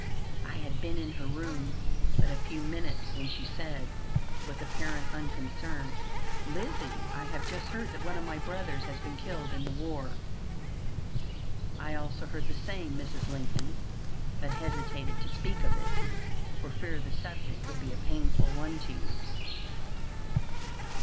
I had been in her room but a few minutes when she said, with apparent unconcern, "Lizzie, I have just heard that one of my brothers has been killed in the war." "I also heard the same, Mrs. Lincoln, but hesitated to speak of it, for fear the subject would be a painful one to you."